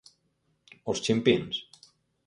Os chimpíns.